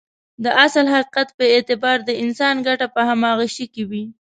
د اصل حقيقت په اعتبار د انسان ګټه په هماغه شي کې وي.